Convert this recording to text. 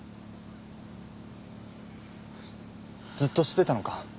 ずっと知ってたのか？